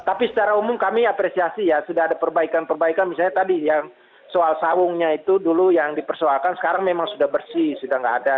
tapi secara umum kami apresiasi ya sudah ada perbaikan perbaikan misalnya tadi yang soal sawungnya itu dulu yang dipersoalkan sekarang memang sudah bersih sudah tidak ada